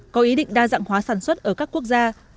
có ý định đa dạng hóa sản xuất ở các quốc gia